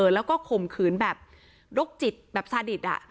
แล้วก็ข่มขืนแบบโรคจิตแบบสาดิต